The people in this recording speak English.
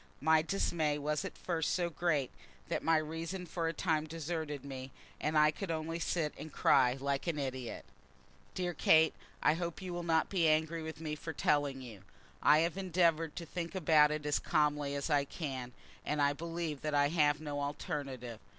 My dismay was at first so great that my reason for a time deserted me, and I could only sit and cry like an idiot. Dear Kate, I hope you will not be angry with me for telling you. I have endeavoured to think about it as calmly as I can, and I believe that I have no alternative.